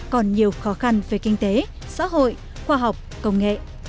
còn nhiều khó khăn về kinh tế xã hội khoa học công nghệ